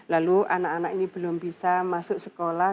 lalu anak anak ini belum bisa masuk sekolah